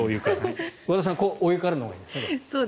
和田さんお湯からのほうがいいんですか。